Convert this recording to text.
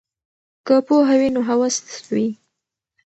که پوهه وي نو هوس وي.